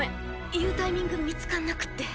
言うタイミング見つかんなくって。